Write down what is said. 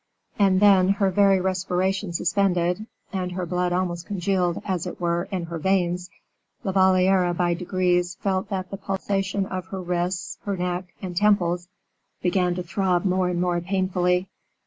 And then, her very respiration suspended, and her blood almost congealed, as it were, in her veins, La Valliere by degrees felt that the pulsation of her wrists, her neck, and temples, began to throb more and more painfully.